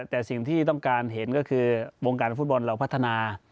แต่สิ่งที่ต้องการเห็นก็คือวงการฟุตบอลเราพัฒนา